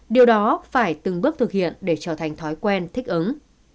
điều đó phải từng bước thực hiện để trở thành thói quen thích ứng